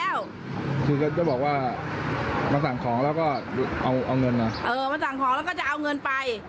เออมาสั่งของแล้วก็จะเอาเงินไป